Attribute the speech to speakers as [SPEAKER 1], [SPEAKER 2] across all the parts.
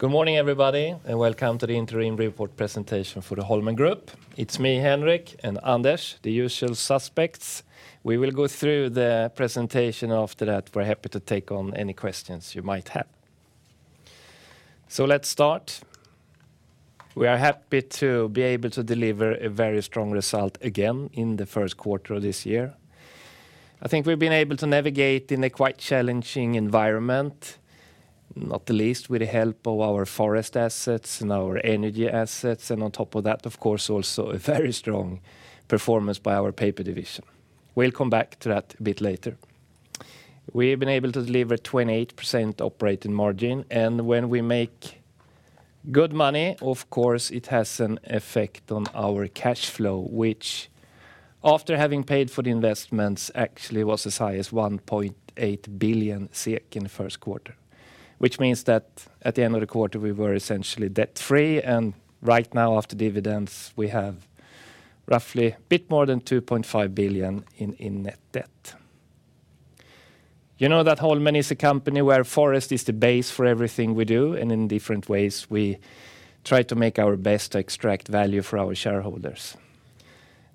[SPEAKER 1] Good morning, everybody, and welcome to the interim report presentation for the Holmen Group. It's me, Henrik, and Anders, the usual suspects. We will go through the presentation. After that, we're happy to take on any questions you might have. Let's start. We are happy to be able to deliver a very strong result again in the first quarter of this year. I think we've been able to navigate in a quite challenging environment, not the least with the help of our forest assets and our energy assets, and on top of that, of course, also a very strong performance by our paper division. We'll come back to that a bit later. We've been able to deliver 28% operating margin. When we make good money, of course, it has an effect on our cash flow, which after having paid for the investments actually was as high as 1.8 billion SEK in the first quarter, which means that at the end of the quarter, we were essentially debt-free. Right now after dividends, we have roughly a bit more than 2.5 billion in net debt. You know that Holmen is a company where forest is the base for everything we do. In different ways, we try to make our best to extract value for our shareholders.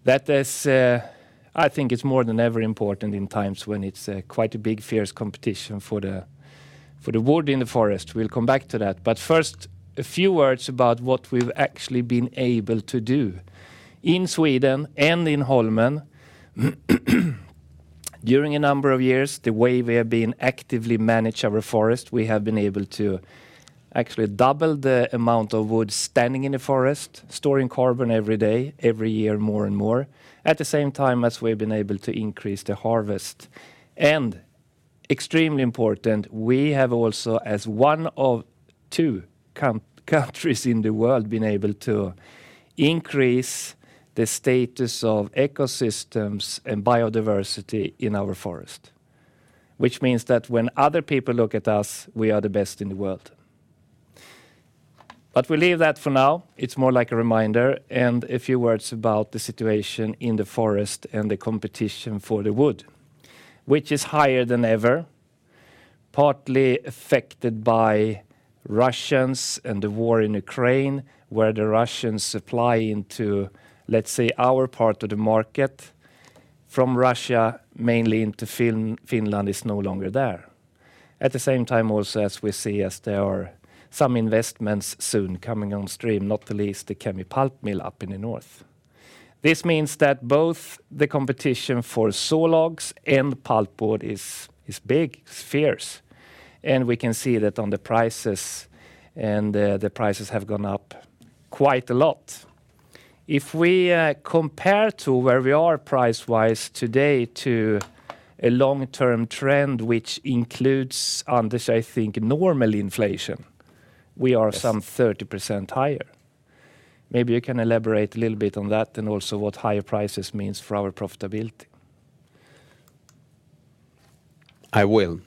[SPEAKER 1] That is, I think it's more than ever important in times when it's quite a big fierce competition for the wood in the forest. We'll come back to that. First, a few words about what we've actually been able to do. In Sweden and in Holmen, during a number of years, the way we have been actively manage our forest, we have been able to actually double the amount of wood standing in a forest, storing carbon every day, every year, more and more, at the same time as we've been able to increase the harvest. Extremely important, we have also, as one of two countries in the world, been able to increase the status of ecosystems and biodiversity in our forest, which means that when other people look at us, we are the best in the world. We leave that for now. It's more like a reminder and a few words about the situation in the forest and the competition for the wood, which is higher than ever, partly affected by Russians and the war in Ukraine, where the Russians supply into, let's say, our part of the market from Russia, mainly into Finland, is no longer there. At the same time, also, as we see, as there are some investments soon coming on stream, not the least, the Kemi bioproduct mill up in the north. This means that both the competition for sawlogs and the pulpwood is big, it's fierce, and we can see that on the prices, and the prices have gone up quite a lot. If we compare to where we are price-wise today to a long-term trend which includes, Anders, I think, normal inflation...
[SPEAKER 2] Yes...
[SPEAKER 1] we are some 30% higher. Maybe you can elaborate a little bit on that and also what higher prices means for our profitability.
[SPEAKER 2] I will.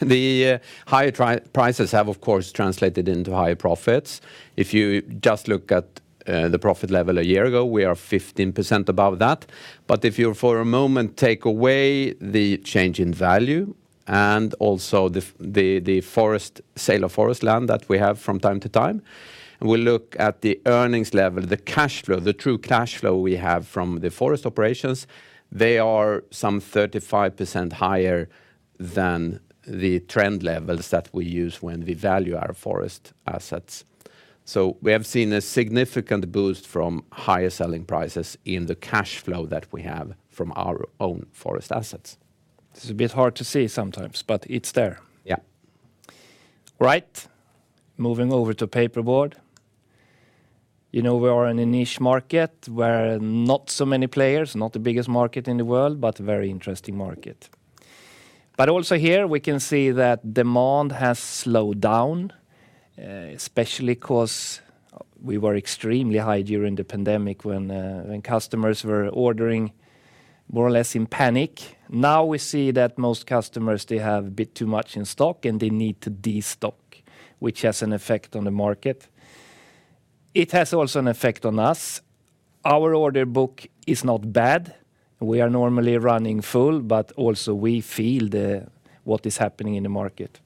[SPEAKER 2] The higher prices have, of course, translated into higher profits. If you just look at the profit level a year ago, we are 15% above that. If you for a moment take away the change in value and also the forest, sale of forest land that we have from time to time, we look at the earnings level, the cash flow, the true cash flow we have from the forest operations, they are some 35% higher than the trend levels that we use when we value our forest assets. We have seen a significant boost from higher selling prices in the cash flow that we have from our own forest assets.
[SPEAKER 1] This is a bit hard to see sometimes, but it's there.
[SPEAKER 2] Yeah.
[SPEAKER 1] Moving over to paperboard. You know we are in a niche market where not so many players, not the biggest market in the world, but a very interesting market. Also here, we can see that demand has slowed down, especially because we were extremely high during the pandemic when customers were ordering more or less in panic. Now we see that most customers, they have a bit too much in stock and they need to de-stock, which has an effect on the market. It has also an effect on us. Our order book is not bad. We are normally running full, but also we feel the, what is happening in the market.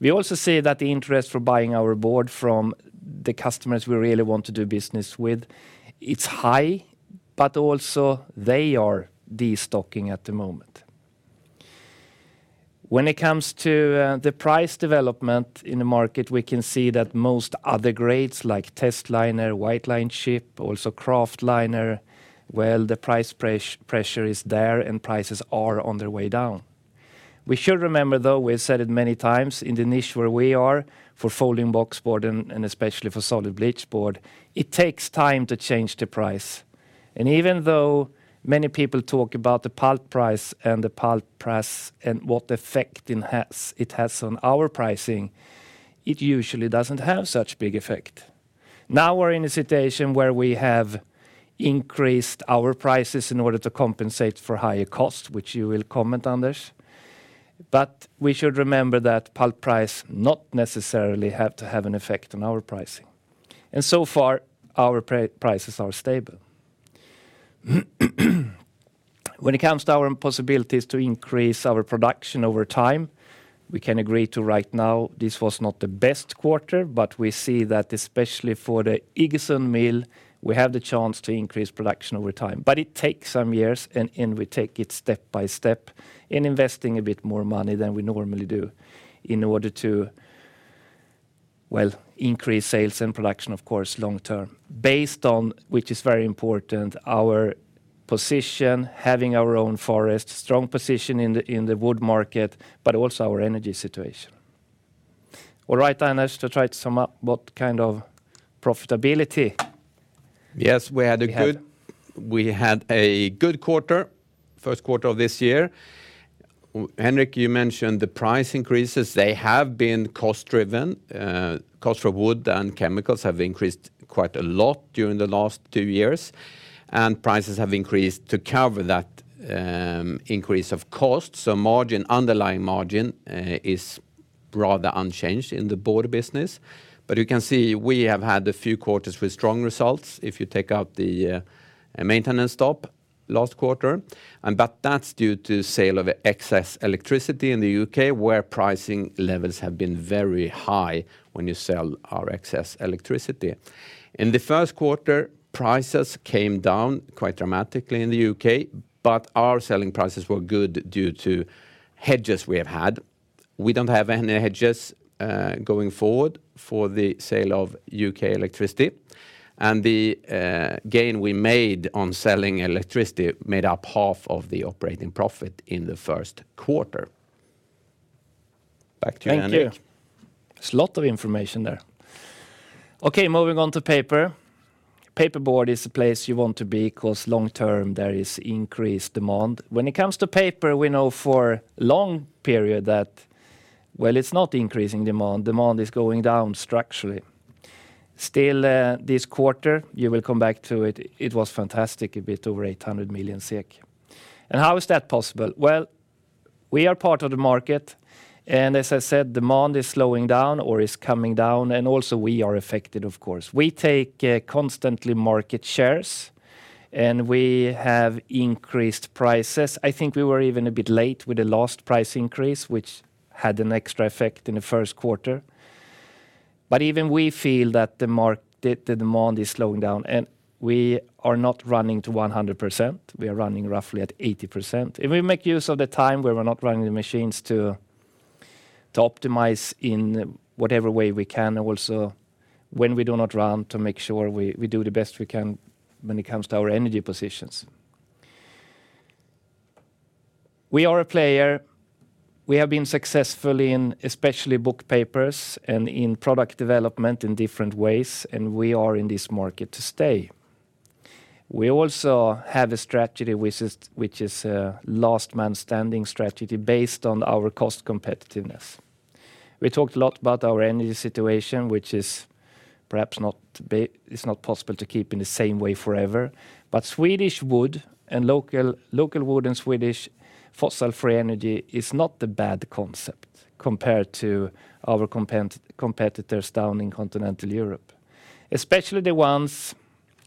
[SPEAKER 1] We also see that the interest for buying our board from the customers we really want to do business with, it's high, but also they are de-stocking at the moment. When it comes to the price development in the market, we can see that most other grades like testliner, white-lined chipboard, also kraftliner, well, the price pressure is there and prices are on their way down. We should remember, though, we've said it many times in the niche where we are for folding boxboard and especially for solid bleached board, it takes time to change the price. Even though many people talk about the pulp price and what effect it has on our pricing, it usually doesn't have such big effect. Now we're in a situation where we have increased our prices in order to compensate for higher cost, which you will comment, Anders. We should remember that pulp price not necessarily have to have an effect on our pricing. So far, our prices are stable. When it comes to our possibilities to increase our production over time, we can agree to right now this was not the best quarter, but we see that especially for the Iggesund Mill, we have the chance to increase production over time. It takes some years, and we take it step by step in investing a bit more money than we normally do in order to, well, increase sales and production, of course, long term based on, which is very important, our position, having our own forest, strong position in the, in the wood market, but also our energy situation. All right, Anders, to try to sum up what kind of profitability we had.
[SPEAKER 2] Yes, we had a good quarter, first quarter of this year. Henrik, you mentioned the price increases. They have been cost-driven. Cost for wood and chemicals have increased quite a lot during the last two years, and prices have increased to cover that increase of cost. Margin, underlying margin, is rather unchanged in the board business. You can see we have had a few quarters with strong results if you take out the maintenance stop last quarter, but that's due to sale of excess electricity in the U.K. where pricing levels have been very high when you sell our excess electricity. In the first quarter, prices came down quite dramatically in the U.K., but our selling prices were good due to hedges we have had. We don't have any hedges going forward for the sale of U.K. electricity, and the gain we made on selling electricity made up half of the operating profit in the first quarter. Back to you, Henrik.
[SPEAKER 1] Thank you. There's a lot of information there. Okay, moving on to paper. Paperboard is a place you want to be 'cause long term there is increased demand. When it comes to paper, we know for long period that, well, it's not increasing demand. Demand is going down structurally. Still, this quarter, you will come back to it was fantastic, a bit over 800 million SEK. How is that possible? Well, we are part of the market, and as I said, demand is slowing down or is coming down, and also we are affected, of course. We take constantly market shares, and we have increased prices. I think we were even a bit late with the last price increase, which had an extra effect in the first quarter. Even we feel that the demand is slowing down, and we are not running to 100%. We are running roughly at 80%. If we make use of the time where we're not running the machines to optimize in whatever way we can, also when we do not run to make sure we do the best we can when it comes to our energy positions. We are a player. We have been successful in especially book paper and in product development in different ways, and we are in this market to stay. We also have a strategy which is a last man standing strategy based on our cost competitiveness. We talked a lot about our energy situation, which is perhaps not possible to keep in the same way forever. Swedish wood and local wood and Swedish fossil-free energy is not the bad concept compared to our competitors down in continental Europe, especially the ones,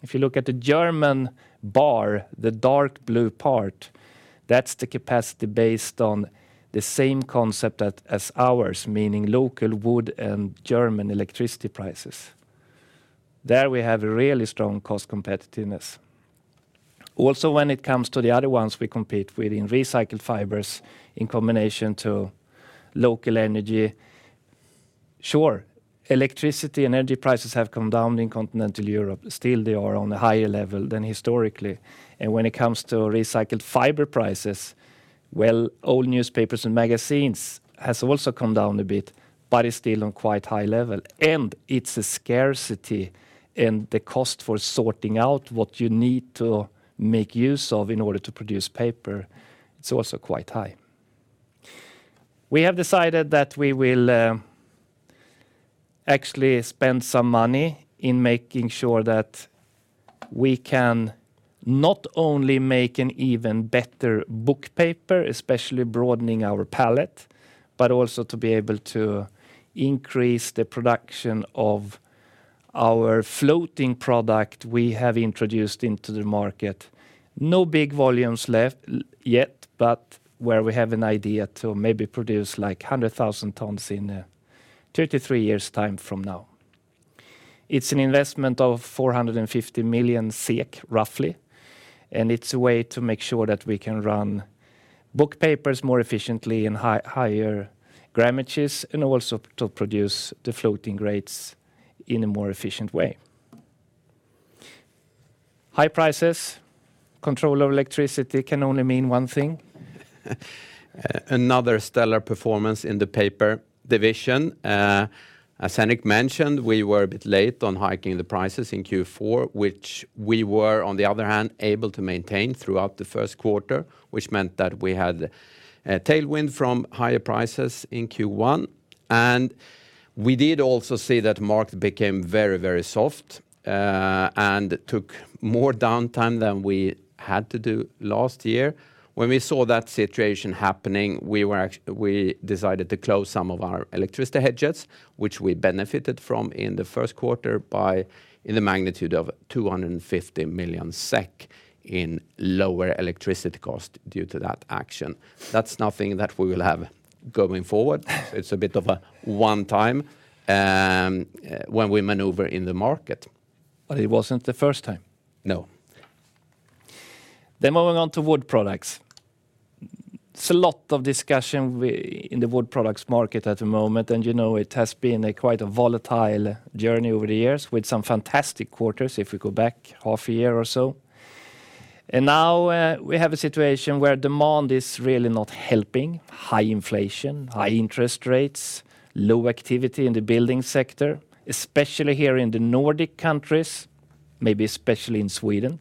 [SPEAKER 1] if you look at the German bar, the dark blue part, that's the capacity based on the same concept as ours, meaning local wood and German electricity prices. There we have a really strong cost competitiveness. Also, when it comes to the other ones we compete with in recycled fibers in combination to local energy, sure, electricity and energy prices have come down in continental Europe. Still, they are on a higher level than historically. When it comes to recycled fiber prices, well, old newspapers and magazines has also come down a bit, but it's still on quite high level. It's a scarcity, and the cost for sorting out what you need to make use of in order to produce paper, it's also quite high. We have decided that we will actually spend some money in making sure that we can not only make an even better book paper, especially broadening our palette, but also to be able to increase the production of our fluting product we have introduced into the market. No big volumes left yet, but where we have an idea to maybe produce, like, 100,000 tons in 33 years' time from now. It's an investment of 450 million SEK roughly, and it's a way to make sure that we can run book paper more efficiently in higher grammages and also to produce the fluting grades in a more efficient way. High prices, control of electricity can only mean one thing.
[SPEAKER 2] Another stellar performance in the paper division. As Henrik mentioned, we were a bit late on hiking the prices in Q4, which we were, on the other hand, able to maintain throughout the first quarter, which meant that we had a tailwind from higher prices in Q1. We did also see that market became very, very soft and took more downtime than we had to do last year. When we saw that situation happening, we decided to close some of our electricity hedges, which we benefited from in the first quarter by, in the magnitude of 250 million SEK in lower electricity cost due to that action. That's nothing that we will have going forward. It's a bit of a one-time when we maneuver in the market.
[SPEAKER 1] It wasn't the first time.
[SPEAKER 2] No.
[SPEAKER 1] Moving on to wood products. It's a lot of discussion in the wood products market at the moment, you know it has been quite a volatile journey over the years with some fantastic quarters if we go back half a year or so. Now, we have a situation where demand is really not helping, high inflation, high interest rates, low activity in the building sector, especially here in the Nordic countries, maybe especially in Sweden.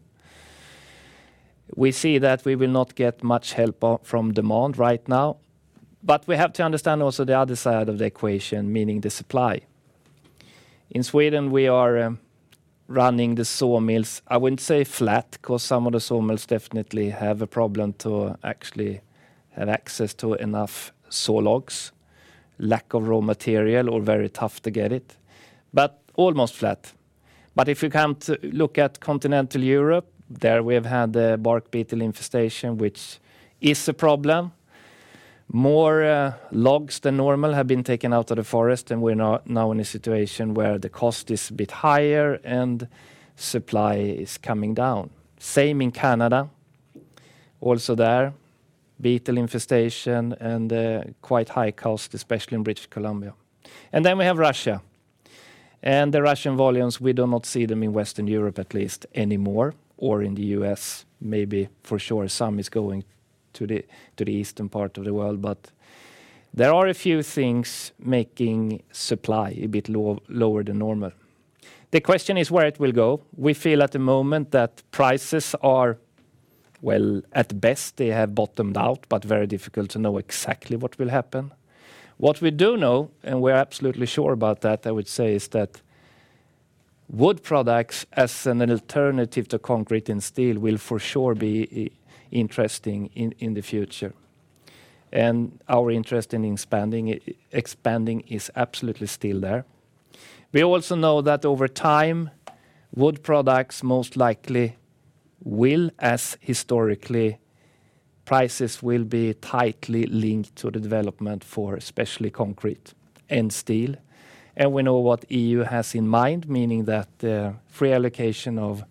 [SPEAKER 1] We see that we will not get much help from demand right now. We have to understand also the other side of the equation, meaning the supply. In Sweden, we are running the sawmills, I wouldn't say flat, 'cause some of the sawmills definitely have a problem to actually have access to enough sawlogs, lack of raw material or very tough to get it, but almost flat. If you come to look at continental Europe, there we have had a bark beetle infestation, which is a problem. More logs than normal have been taken out of the forest, and we're now in a situation where the cost is a bit higher and supply is coming down. Same in Canada. Also there, beetle infestation and quite high cost, especially in British Columbia. Then we have Russia. The Russian volumes, we do not see them in Western Europe at least anymore, or in the U.S. maybe for sure some is going to the eastern part of the world. There are a few things making supply a bit lower than normal. The question is where it will go. We feel at the moment that prices are, well, at best, they have bottomed out, but very difficult to know exactly what will happen. What we do know, and we're absolutely sure about that, I would say, is that wood products as an alternative to concrete and steel will for sure be interesting in the future. Our interest in expanding is absolutely still there. We also know that over time, wood products most likely will, as historically, prices will be tightly linked to the development for especially concrete and steel. We know what EU has in mind, meaning that the free allocation of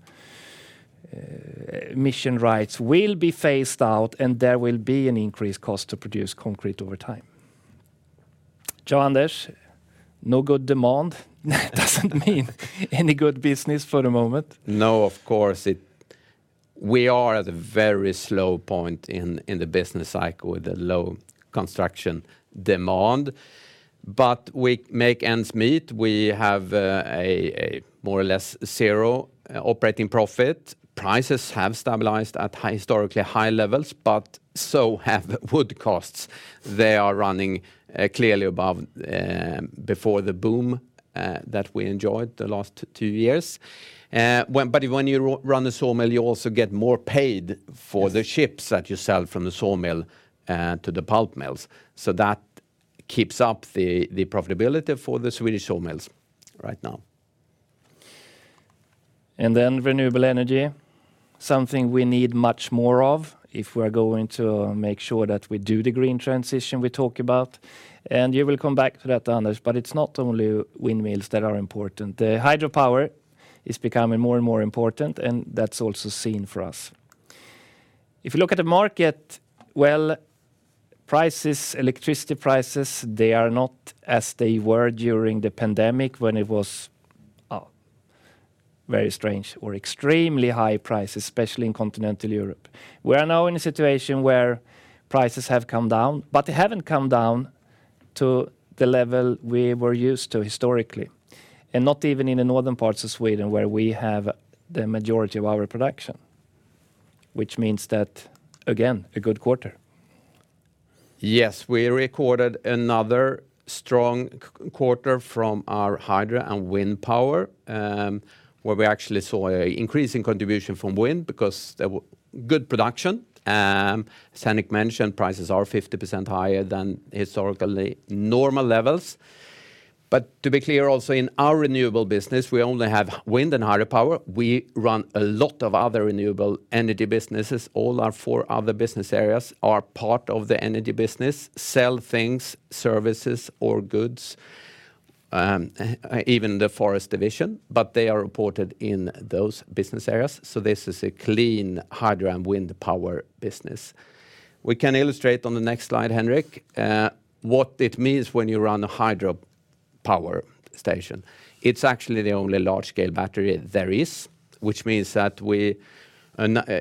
[SPEAKER 1] emission allowances will be phased out, and there will be an increased cost to produce concrete over time. Anders, no good demand doesn't mean any good business for the moment.
[SPEAKER 2] Of course. We are at a very slow point in the business cycle with a low construction demand. We make ends meet. We have a more or less zero operating profit. Prices have stabilized at high, historically high levels, but so have wood costs. They are running clearly above before the boom that we enjoyed the last two years. When you run the sawmill, you also get more paid for the chips that you sell from the sawmill to the pulp mills. That keeps up the profitability for the Swedish sawmills right now.
[SPEAKER 1] Renewable energy, something we need much more of if we're going to make sure that we do the green transition we talk about. You will come back to that, Anders, but it's not only windmills that are important. The hydropower is becoming more and more important, and that's also seen for us. If you look at the market, well, prices, electricity prices, they are not as they were during the pandemic when it was very strange or extremely high price, especially in continental Europe. We are now in a situation where prices have come down, but they haven't come down to the level we were used to historically, and not even in the northern parts of Sweden, where we have the majority of our production, which means that again, a good quarter.
[SPEAKER 2] Yes. We recorded another strong quarter from our hydro and wind power, where we actually saw a increase in contribution from wind because there were good production. Sennik mentioned prices are 50% higher than historically normal levels. To be clear also, in our renewable business, we only have wind and hydropower. We run a lot of other renewable energy businesses. All our four other business areas are part of the energy business, sell things, services or goods, even the forest division, they are reported in those business areas. This is a clean hydro and wind power business. We can illustrate on the next slide, Henrik, what it means when you run a hydro power station. It's actually the only large scale battery there is, which means that we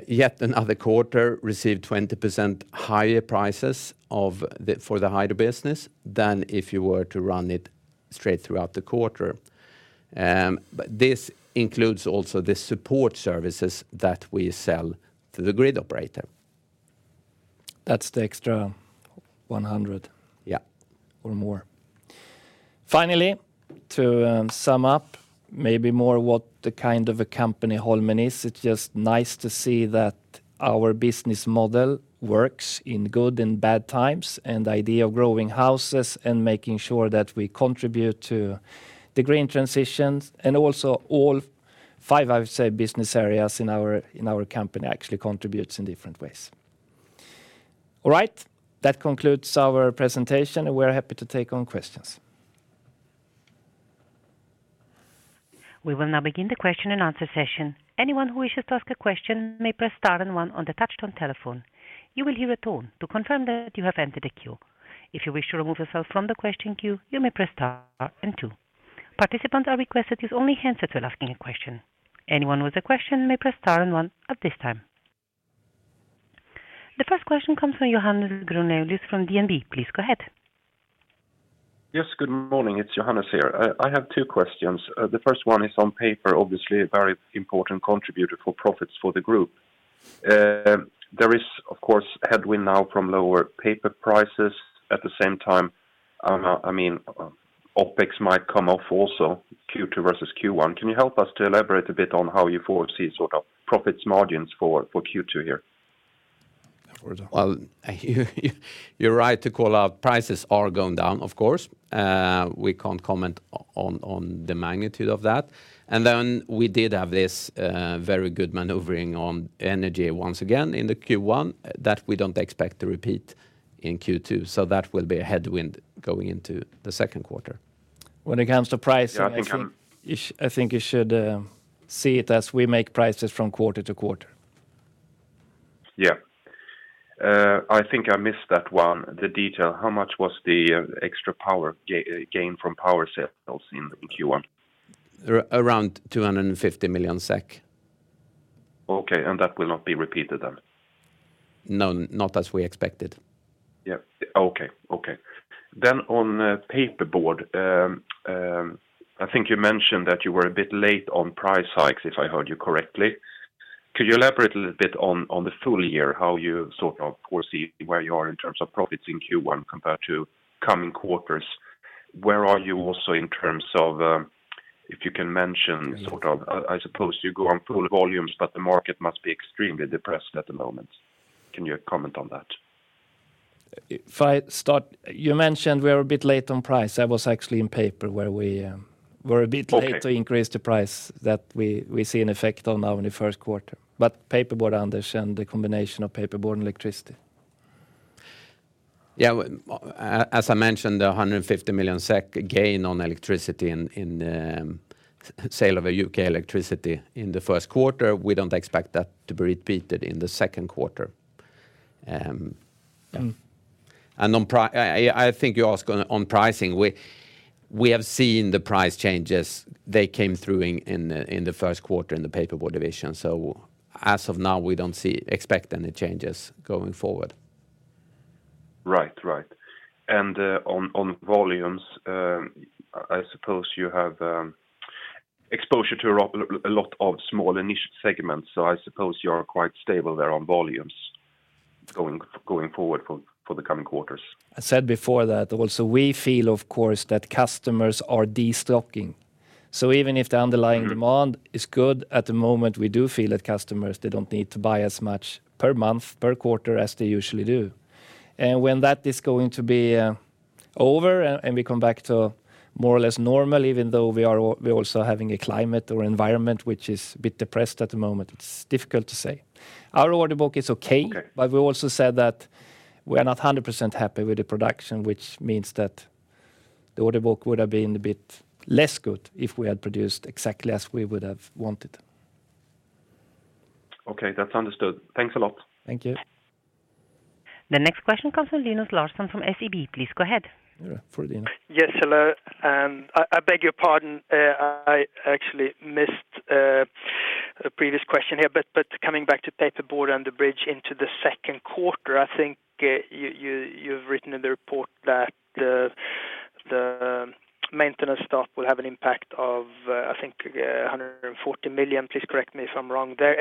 [SPEAKER 2] yet another quarter received 20% higher prices of the, for the hydro business than if you were to run it straight throughout the quarter. This includes also the support services that we sell to the grid operator.
[SPEAKER 1] That's the extra 100.
[SPEAKER 2] Yeah.
[SPEAKER 1] More. Finally, to sum up maybe more what the kind of a company Holmen is, it's just nice to see that our business model works in good and bad times, and the idea of growing houses and making sure that we contribute to the green transitions and also all five, I would say, business areas in our company actually contributes in different ways. All right. That concludes our presentation, and we're happy to take on questions.
[SPEAKER 3] We will now begin the question and answer session. Anyone who wishes to ask a question may press star and one on the touchtone telephone. You will hear a tone to confirm that you have entered a queue. If you wish to remove yourself from the question queue, you may press star and two. Participants are requested to use only handset when asking a question. Anyone with a question may press star and one at this time. The first question comes from Johannes Grunselius from DNB. Please go ahead.
[SPEAKER 4] Yes, good morning. It's Johannes here. I have two questions. The first one is on paper, obviously a very important contributor for profits for the group. There is, of course, headwind now from lower paper prices. At the same time, I mean, OpEx might come off also Q2 versus Q1. Can you help us to elaborate a bit on how you foresee sort of profits margins for Q2 here?
[SPEAKER 2] Well, you're right to call out. Prices are going down, of course. We can't comment on the magnitude of that. We did have this very good maneuvering on energy once again in the Q1. That we don't expect to repeat in Q2, that will be a headwind going into the second quarter. When it comes to pricing-
[SPEAKER 4] Yeah, I think.
[SPEAKER 2] I think you should, see it as we make prices from quarter to quarter.
[SPEAKER 4] Yeah. I think I missed that one, the detail. How much was the extra power gain from power sales in Q1?
[SPEAKER 2] Around 250 million SEK.
[SPEAKER 4] Okay. that will not be repeated then?
[SPEAKER 2] No, not as we expected.
[SPEAKER 4] Okay. Okay. On paperboard, I think you mentioned that you were a bit late on price hikes, if I heard you correctly. Could you elaborate a little bit on the full year, how you sort of foresee where you are in terms of profits in Q1 compared to coming quarters? Where are you also in terms of, if you can mention sort of, I suppose you go on full volumes, but the market must be extremely depressed at the moment. Can you comment on that?
[SPEAKER 2] If I start, you mentioned we are a bit late on price. That was actually in paper where we were a bit late.
[SPEAKER 4] Okay...
[SPEAKER 1] to increase the price that we see an effect on now in the first quarter. Paperboard, Anders, and the combination of paperboard and electricity. As I mentioned, the 150 million SEK gain on electricity in sale of U.K. electricity in the first quarter, we don't expect that to be repeated in the second quarter.
[SPEAKER 2] Mm.
[SPEAKER 1] I think you ask on pricing. We have seen the price changes. They came through in the first quarter in the paperboard division. As of now, we don't expect any changes going forward.
[SPEAKER 4] Right. Right. On volumes, I suppose you have exposure to a lot of small niche segments, so I suppose you're quite stable there on volumes going forward for the coming quarters.
[SPEAKER 1] I said before that also we feel, of course, that customers are destocking. Even if the underlying demand is good, at the moment, we do feel that customers, they don't need to buy as much per month, per quarter as they usually do. When that is going to be over and we come back to more or less normal, even though we're also having a climate or environment which is a bit depressed at the moment, it's difficult to say. Our order book is okay.
[SPEAKER 4] Okay.
[SPEAKER 1] We also said that we are not 100% happy with the production, which means that the order book would have been a bit less good if we had produced exactly as we would have wanted.
[SPEAKER 4] Okay. That's understood. Thanks a lot.
[SPEAKER 1] Thank you.
[SPEAKER 3] The next question comes from Linus Larsson from SEB. Please go ahead.
[SPEAKER 2] All right. For Linus.
[SPEAKER 5] Yes, hello. I beg your pardon. I actually missed a previous question here. Coming back to paperboard and the bridge into the second quarter, I think you've written in the report that the maintenance staff will have an impact of, I think, 140 million. Please correct me if I'm wrong there.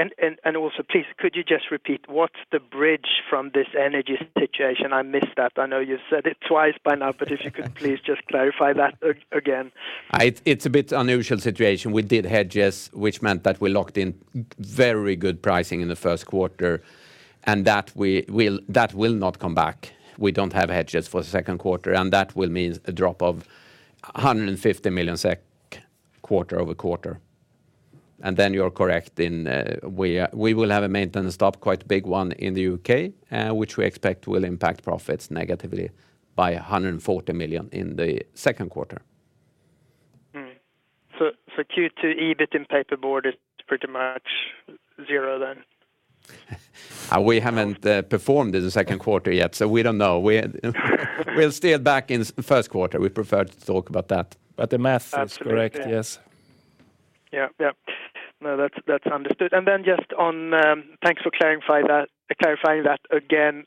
[SPEAKER 5] Also, please, could you just repeat what's the bridge from this energy situation? I missed that. I know you said it twice by now, but if you could please just clarify that again.
[SPEAKER 2] It's a bit unusual situation. We did hedges, which meant that we locked in very good pricing in the first quarter, and that will not come back. We don't have hedges for the second quarter. That will mean a drop of 150 million SEK quarter-over-quarter. Then you're correct in, we will have a maintenance stop, quite a big one in the U.K., which we expect will impact profits negatively by 140 million in the second quarter.
[SPEAKER 5] For Q2, EBIT in paperboard is pretty much zero then?
[SPEAKER 2] We haven't performed the second quarter yet, so we don't know. We're still back in the first quarter. We prefer to talk about that. The math is correct.
[SPEAKER 5] Absolutely.
[SPEAKER 2] Yes.
[SPEAKER 5] Yeah. Yeah. No, that's understood. Just on. Thanks for clarifying that again.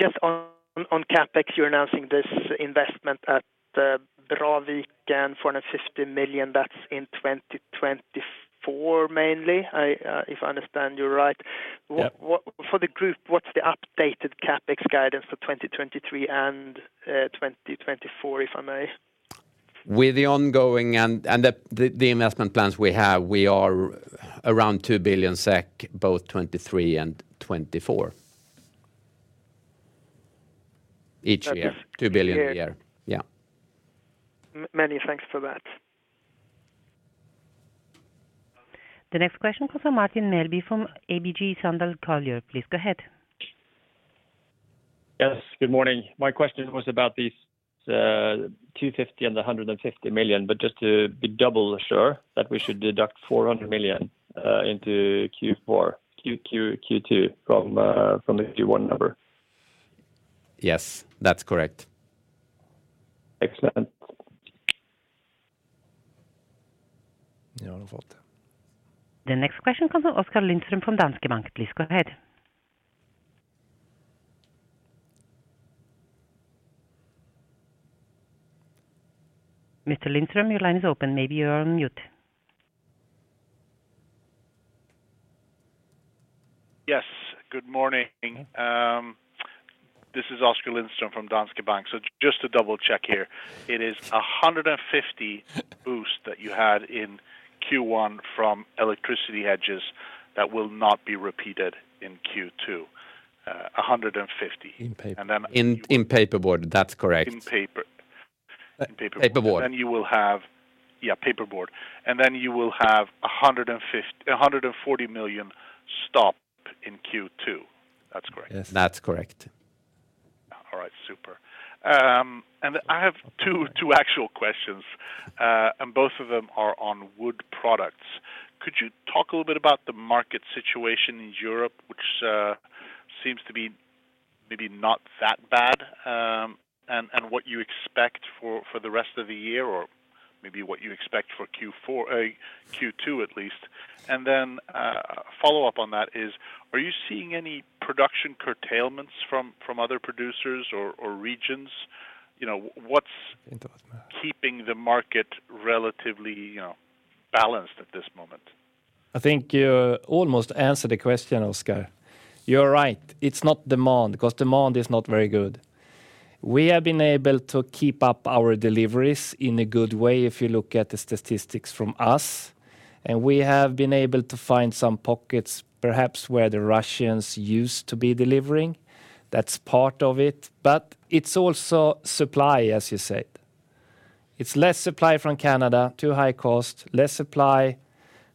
[SPEAKER 5] Just on CapEx, you're announcing this investment at Braviken, 450 million, that's in 2024 mainly? I, if I understand you right?
[SPEAKER 2] Yeah.
[SPEAKER 5] What for the group, what's the updated CapEx guidance for 2023 and 2024, if I may?
[SPEAKER 2] With the ongoing and the investment plans we have, we are around 2 billion SEK, both 2023 and 2024. Each year.
[SPEAKER 5] Each year.
[SPEAKER 2] 2 billion a year. Yeah.
[SPEAKER 5] Many thanks for that.
[SPEAKER 3] The next question comes from Martin Melbye from ABG Sundal Collier. Please go ahead.
[SPEAKER 6] Yes, good morning. My question was about these, 250 and the 150 million, just to be double sure that we should deduct 400 million into Q2 from the Q1 number.
[SPEAKER 2] Yes, that's correct.
[SPEAKER 6] Excellent.
[SPEAKER 2] You know what I thought.
[SPEAKER 3] The next question comes from Oskar Lindström from Danske Bank. Please go ahead. Mr. Lindström, your line is open. Maybe you're on mute.
[SPEAKER 7] Yes, good morning. This is Oskar Lindström from Danske Bank. Just to double-check here, it is a 150 boost that you had in Q1 from electricity hedges that will not be repeated in Q2. 150.
[SPEAKER 2] In paper.
[SPEAKER 7] And then-
[SPEAKER 2] In paperboard. That's correct.
[SPEAKER 7] In paper. In paperboard.
[SPEAKER 1] Paperboard.
[SPEAKER 7] You will have Yeah, paperboard. You will have 140 million stop in Q2. That's correct?
[SPEAKER 2] Yes, that's correct.
[SPEAKER 7] All right, super. I have two actual questions, and both of them are on wood products. Could you talk a little bit about the market situation in Europe, which seems to be maybe not that bad, and what you expect for the rest of the year, or maybe what you expect for Q4, Q2 at least. A follow-up on that is, are you seeing any production curtailments from other producers or regions? You know, what's keeping the market relatively, you know, balanced at this moment?
[SPEAKER 1] I think you almost answered the question, Oskar. You're right. It's not demand, because demand is not very good. We have been able to keep up our deliveries in a good way, if you look at the statistics from us, and we have been able to find some pockets, perhaps, where the Russians used to be delivering. That's part of it. It's also supply, as you said. It's less supply from Canada, too high cost, less supply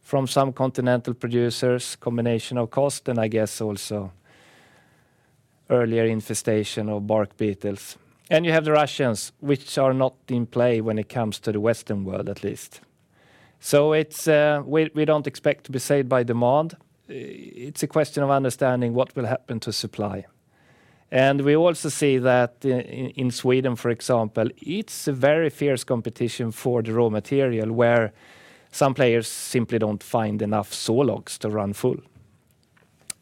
[SPEAKER 1] from some continental producers, combination of cost, and I guess also earlier infestation of bark beetles. You have the Russians, which are not in play when it comes to the Western world, at least. We don't expect to be saved by demand. It's a question of understanding what will happen to supply. We also see that in Sweden, for example, it's a very fierce competition for the raw material, where some players simply don't find enough sawlogs to run full.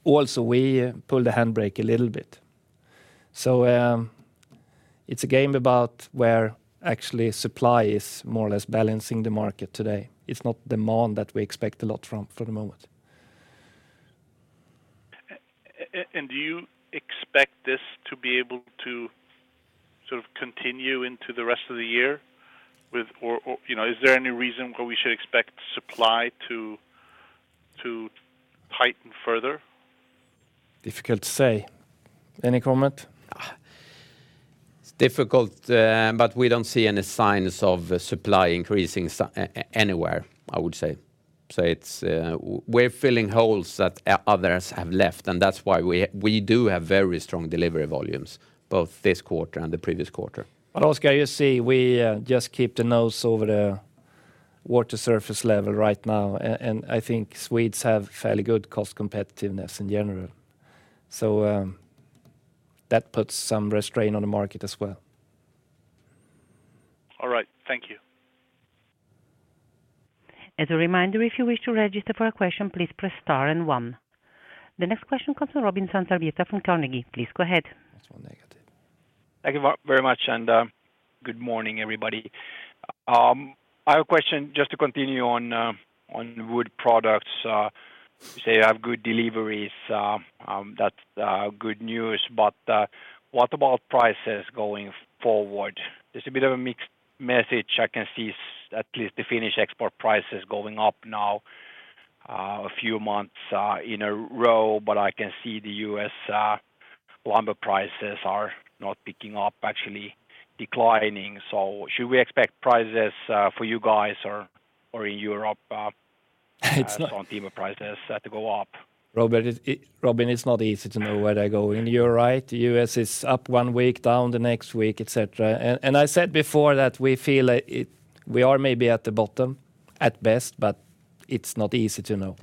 [SPEAKER 1] We pull the handbrake a little bit. It's a game about where actually supply is more or less balancing the market today. It's not demand that we expect a lot from for the moment.
[SPEAKER 7] Do you expect this to be able to sort of continue into the rest of the year? With or, you know, is there any reason where we should expect supply to tighten further?
[SPEAKER 1] Difficult to say. Any comment?
[SPEAKER 2] It's difficult, but we don't see any signs of supply increasing anywhere, I would say. It's, we're filling holes that others have left, and that's why we do have very strong delivery volumes, both this quarter and the previous quarter.
[SPEAKER 1] Oskar, you see, we just keep the nose over the water surface level right now, and I think Swedes have fairly good cost competitiveness in general. That puts some restraint on the market as well.
[SPEAKER 7] All right. Thank you.
[SPEAKER 3] As a reminder, if you wish to register for a question, please press star and one. The next question comes from Robin Santavirta from Carnegie. Please go ahead.
[SPEAKER 2] That's one negative.
[SPEAKER 8] Thank you very much. Good morning, everybody. I have a question just to continue on wood products. You say you have good deliveries, that's good news, what about prices going forward? There's a bit of a mixed message. I can see at least the Finnish export prices going up now, a few months in a row, but I can see the U.S. lumber prices are not picking up, actually declining. Should we expect prices for you guys or in Europe?
[SPEAKER 2] It's not-
[SPEAKER 8] On timber prices, to go up?
[SPEAKER 2] Robin, it's not easy to know where they're going. You're right. The U.S. is up one week, down the next week, et cetera. I said before that we feel we are maybe at the bottom at best, but it's not easy to know.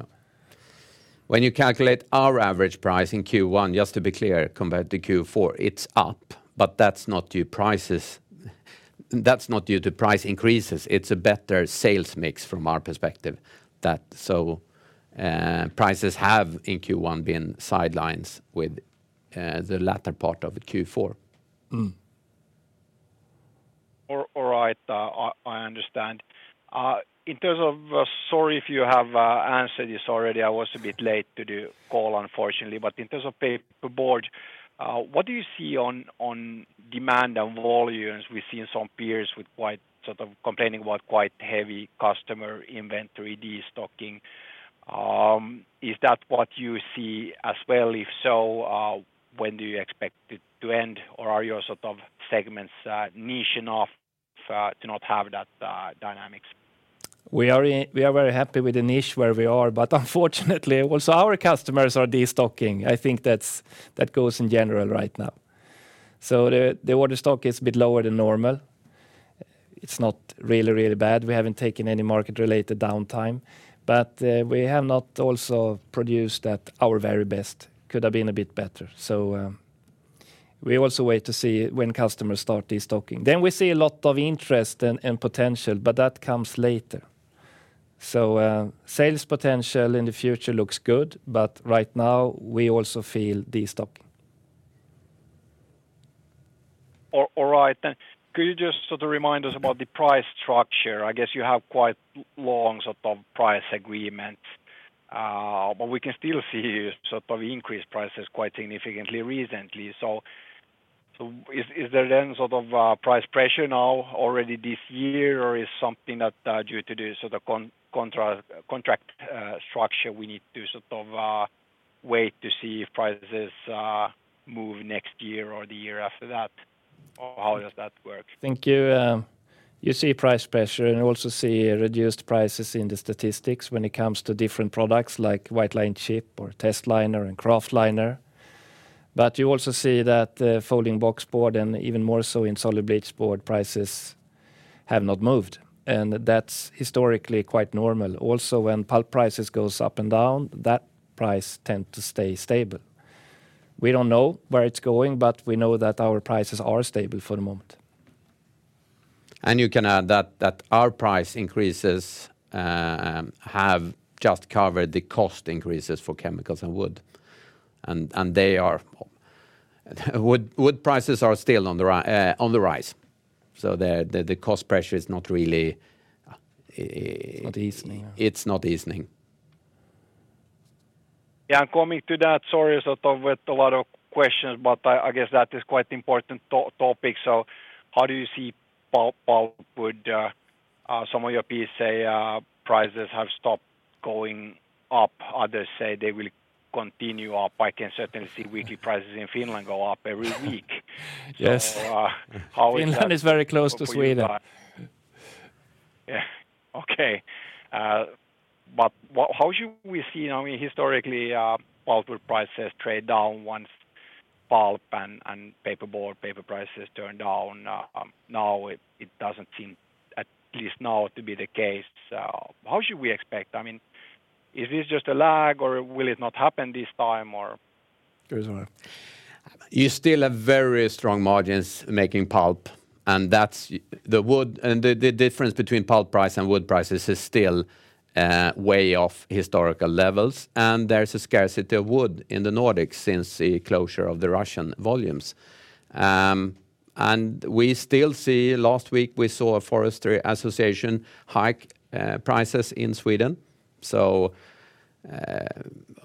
[SPEAKER 2] When you calculate our average price in Q1, just to be clear, compared to Q4, it's up, but that's not due prices. That's not due to price increases. It's a better sales mix from our perspective. Prices have in Q1 been sidelines with the latter part of the Q4.
[SPEAKER 8] All right. I understand. In terms of, sorry if you have answered this already. I was a bit late to the call, unfortunately. In terms of paperboard, what do you see on demand and volumes? We've seen some peers with quite, sort of complaining about quite heavy customer inventory destocking. Is that what you see as well? If so, when do you expect it to end or are your sort of segments niche enough to not have that dynamics?
[SPEAKER 1] We are very happy with the niche where we are. Unfortunately also our customers are de-stocking. I think that goes in general right now. The order stock is a bit lower than normal. It's not really bad. We haven't taken any market-related downtime. We have not also produced at our very best. Could have been a bit better. We also wait to see when customers start de-stocking. We see a lot of interest and potential. That comes later. Sales potential in the future looks good. Right now we also feel de-stock.
[SPEAKER 8] All right. Could you just sort of remind us about the price structure? I guess you have quite long sort of price agreement, but we can still see sort of increased prices quite significantly recently. Is there then sort of price pressure now already this year or is something that, due to the sort of contract structure we need to sort of wait to see if prices move next year or the year after that? How does that work?
[SPEAKER 1] Thank you. You see price pressure and you also see reduced prices in the statistics when it comes to different products like white-lined chipboard or testliner and kraftliner. You also see that folding boxboard and even more so in solid bleached board prices have not moved, and that's historically quite normal. When pulp prices goes up and down, that price tend to stay stable. We don't know where it's going, but we know that our prices are stable for the moment.
[SPEAKER 2] You can add that our price increases have just covered the cost increases for chemicals and wood, and they are... Wood prices are still on the rise, so the cost pressure is not really...
[SPEAKER 1] It's not easing. Yeah....
[SPEAKER 2] it's not easing.
[SPEAKER 8] Coming to that story, sort of with a lot of questions, but I guess that is quite important topic. How do you see pulpwood? Some of your peers say prices have stopped going up. Others say they will continue up. I can certainly see weekly prices in Finland go up every week.
[SPEAKER 1] Yes.
[SPEAKER 8] How is that-?
[SPEAKER 1] Finland is very close to Sweden.
[SPEAKER 8] for you guys? Yeah. Okay. How should we see? I mean historically, pulpwood prices trade down once pulp and paperboard, paper prices turn down. Now it doesn't seem at least now to be the case. How should we expect? I mean, is this just a lag, or will it not happen this time, or?
[SPEAKER 1] Go on.
[SPEAKER 2] You still have very strong margins making pulp. The difference between pulp price and wood prices is still way off historical levels. There's a scarcity of wood in the Nordics since the closure of the Russian volumes. We still see, last week we saw Forestry Association hike prices in Sweden, so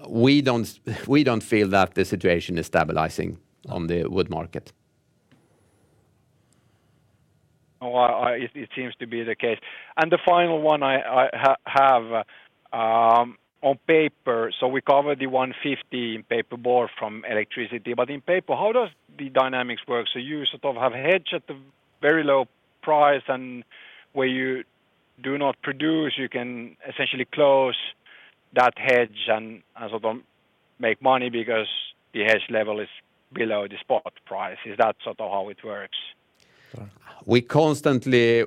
[SPEAKER 2] we don't feel that the situation is stabilizing on the wood market.
[SPEAKER 8] It seems to be the case. The final one I have on paper, so we covered the 150 in paperboard from electricity. In paper, how does the dynamics work? You sort of have a hedge at the very low price, and where you do not produce, you can essentially close that hedge and sort of make money because the hedge level is below the spot price. Is that sort of how it works?
[SPEAKER 2] We constantly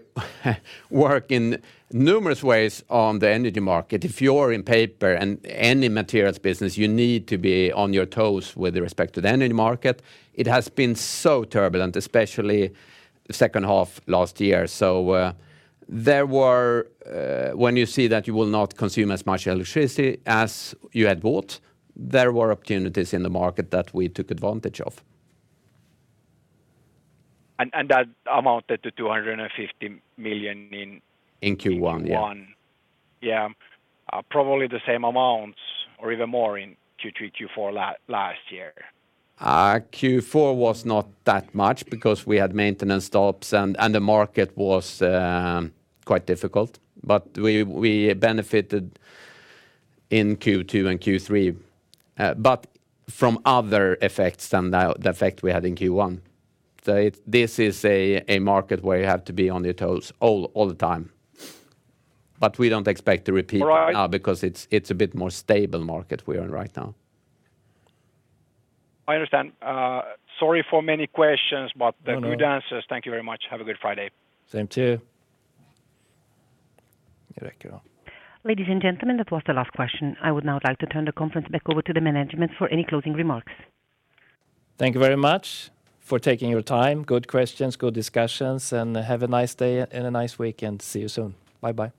[SPEAKER 2] work in numerous ways on the energy market. If you're in paper and any materials business, you need to be on your toes with respect to the energy market. It has been so turbulent, especially second half last year. There were, when you see that you will not consume as much electricity as you had bought, there were opportunities in the market that we took advantage of.
[SPEAKER 8] That amounted to 250 million.
[SPEAKER 2] In Q1, yeah....
[SPEAKER 8] Q1. Yeah. probably the same amounts or even more in Q3, Q4 last year.
[SPEAKER 2] Q4 was not that much because we had maintenance stops, and the market was quite difficult. We benefited in Q2 and Q3, but from other effects than the effect we had in Q1. This is a market where you have to be on your toes all the time. We don't expect to repeat that now...
[SPEAKER 8] Right
[SPEAKER 2] because it's a bit more stable market we are in right now.
[SPEAKER 8] I understand. sorry for many questions-
[SPEAKER 2] No, no.
[SPEAKER 8] Good answers. Thank you very much. Have a good Friday.
[SPEAKER 1] Same to you.
[SPEAKER 2] You're welcome.
[SPEAKER 3] Ladies and gentlemen, that was the last question. I would now like to turn the conference back over to the management for any closing remarks.
[SPEAKER 2] Thank you very much for taking your time. Good questions, good discussions, and have a nice day and a nice weekend. See you soon. Bye-bye.